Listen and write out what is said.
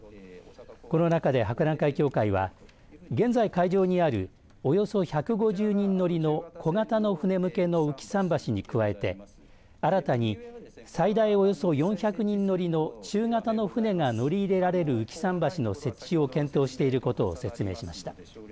この中で博覧会協会は現在、海上にあるおよそ１５０人乗りの小型の船向けの浮き桟橋に加えて新たに最大およそ４００人乗りの中型の船が乗り入れられる浮き桟橋の設置を検討していることを説明しました。